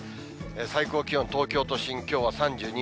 最高気温、東京都心きょうは３２．６度。